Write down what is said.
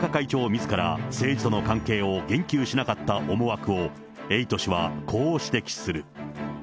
みずから、政治との関係を言及しなかった思惑を、エイト氏はこう指摘する。